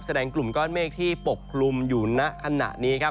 กลุ่มก้อนเมฆที่ปกคลุมอยู่ณขณะนี้ครับ